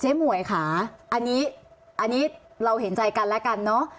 หมวยค่ะอันนี้เราเห็นใจกันแล้วกันเนอะ